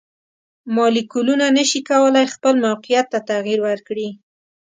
مالیکولونه نشي کولی خپل موقیعت ته تغیر ورکړي.